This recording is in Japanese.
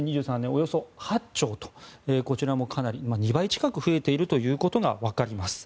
およそ８兆とこちらもかなり２倍近く増えているということがわかります。